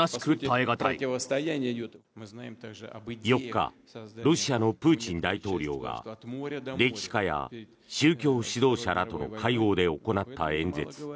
４日ロシアのプーチン大統領が歴史家や宗教指導者らとの会合で行った演説。